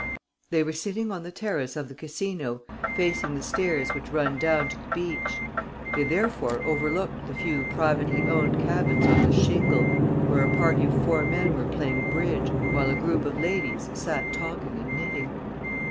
They were sitting on the terrace of the casino, facing the stairs which run down to the beach. They therefore overlooked the few privately owned cabins on the shingle, where a party of four men were playing bridge, while a group of ladies sat talking and knitting.